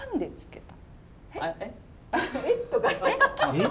えっ？